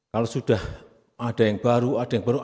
kalau sudah ada yang baru ada yang baru